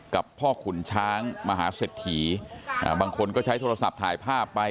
กับพ่อขุนช้างมหาเศรษฐีบางคนก็ใช้โทรศัพท์ถ่ายภาพไป